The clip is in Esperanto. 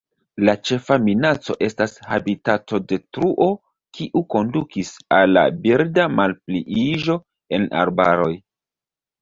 La ĉefa minaco estas habitatodetruo kiu kondukis al la birda malpliiĝo en arbaroj.